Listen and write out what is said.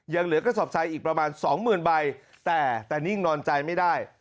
ยังเหลือกระสอบทรายอีกประมาณ๒๐๐๐๐ใบแต่นิ่งนอนใจไม่ได้